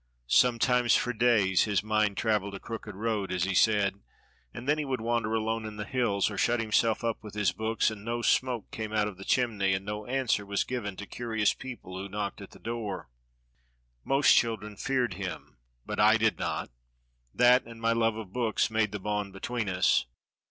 Sometimes for days his mind 'traveled a crooked road,' as he said, and then he would wander alone in the hills, or shut himself up with his books; and no smoke came out of the chimney, and no answer was given to curious people who knocked at the door. Most children feared him, but I did not; that and my love of books made the bond between us.